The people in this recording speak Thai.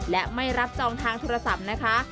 และไม่รับจองทางโทรศัพท์นะคะ